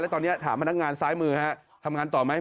ตอนนี้ถามพนักงานซ้ายมือทำงานต่อไหม